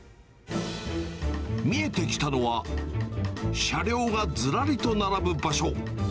見えてきたのは、車両がずらりと並ぶ場所。